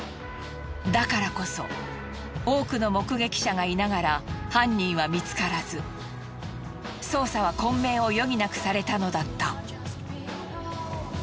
だからこそ多くの目撃者がいながら犯人は見つからず捜査は混迷をよぎなくされたのだった。